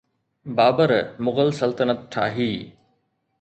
بابر مغل سلطنت ٺاهي.